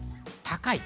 高い。